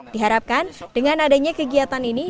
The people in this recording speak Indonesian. diharapkan dengan adanya kegiatan ini